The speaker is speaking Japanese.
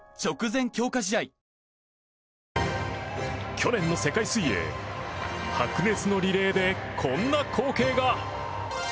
去年の世界水泳白熱のリレーで、こんな光景が。